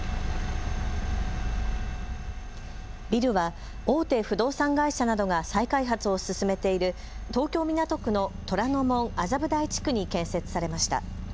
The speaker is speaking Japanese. ビルは大手不動産会社などが再開発を進めている東京港区の虎ノ門・麻布台地区に建設されました。